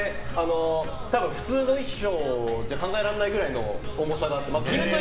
普通の衣装じゃ考えられないくらいの重さなので。